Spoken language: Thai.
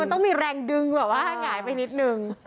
ต้องมีแรงดึงแบบว่าหงายไปนิดนึง